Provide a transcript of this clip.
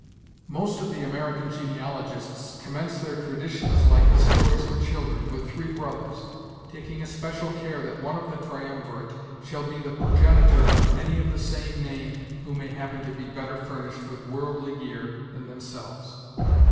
Most of the American genealogists commence their traditions like the stories for children, with three brothers, taking especial care that one of the triumvirate shall be the progenitor of any of the same name who may happen to be better furnished with worldly gear than themselves.